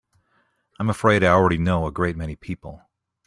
I'm afraid I already know a great many people.